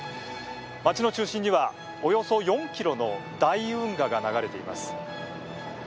街の中心にはおよそ４ｋｍの大運河が流れています。